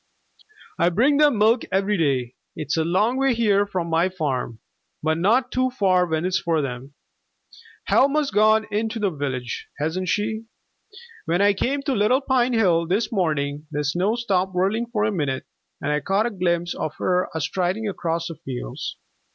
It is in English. "I bring them milk every day. It's a long way here from my farm, but not too far when it's for them. Helma's gone into the village, hasn't she? When I came to Little Pine Hill this morning the snow stopped whirling for a minute, and I caught a glimpse of her a striding across the fields.